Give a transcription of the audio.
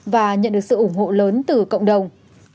và nhận được sự ủng hộ lớn từ cộng đồng